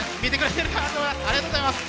ありがとうございます。